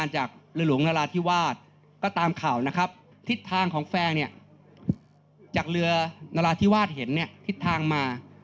จากเรือนาราธิวาสเห็นทิศทางมา